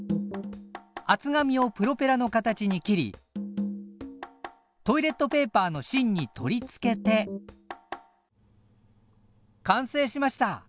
厚紙をプロペラの形に切りトイレットペーパーのしんに取り付けて完成しました！